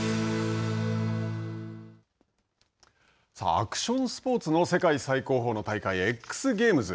アクションスポーツの世界最高峰の大会Ｘゲームズ。